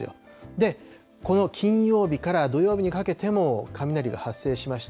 で、この金曜日から土曜日にかけても、雷が発生しました。